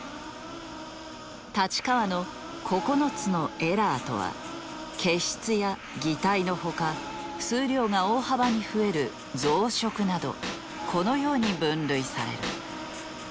太刀川の９つのエラーとは欠失や擬態の他数量が大幅に増える増殖などこのように分類される。